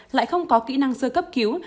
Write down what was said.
lại không có kỹ năng sơ cấp cứu